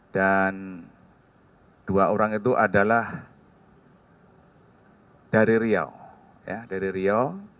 dan dua orang itu adalah dari riau ya dari riau